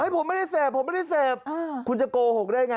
ผมไม่ได้เศพคุณจะโกหกได้ไง